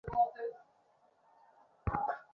পদত্যাগ করবে, হাহ?